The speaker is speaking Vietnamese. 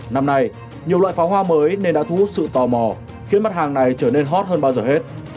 năm nay nhiều loại pháo hoa mới nên đã thu hút sự tò mò khiến mặt hàng này trở nên hot hơn bao giờ hết